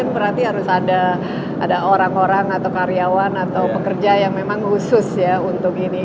berarti harus ada orang orang atau karyawan atau pekerja yang memang khusus ya untuk ini